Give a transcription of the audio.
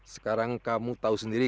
sekarang kamu tahu sendiri